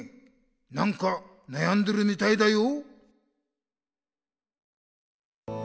なんかなやんでるみたいだよ。